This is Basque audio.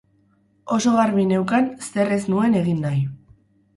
Oso garbi neukan zer ez nuen egin nahi.